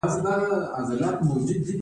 آیا د شاتو کیفیت کنټرولیږي؟